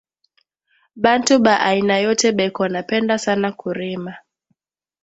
Bantu ba aina yote beko na penda sana kurima